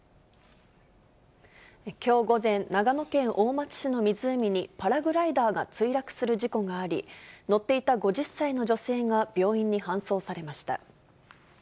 きょう午前、長野県大町市の湖にパラグライダーが墜落する事故があり、乗っていた５０歳の女性が病院に搬送されました。